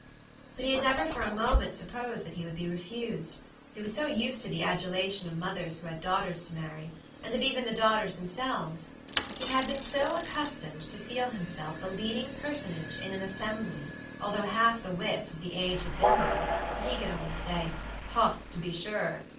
But he had never for a moment supposed that he would be refused; he was so used to the adulation of mothers who had daughters to marry, and of even the daughters themselves; he had been so accustomed to feel himself the leading personage in an assembly, although half the wits of the age had been there, and he could only say "Haw, to be sure!"